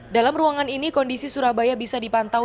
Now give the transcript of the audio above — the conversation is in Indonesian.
dalam ruangan ini kondisi surabaya bisa dipantau